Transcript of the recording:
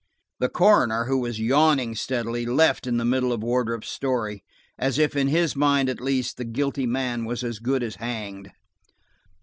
The coroner, who was yawning steadily, left in the middle of Wardrop's story, as if in his mind, at least, the guilty man was as good as hanged.